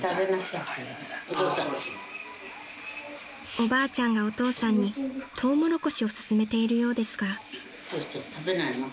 ［おばあちゃんがお父さんにトウモロコシを勧めているようですが］